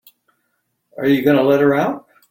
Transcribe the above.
Are you going to let her out?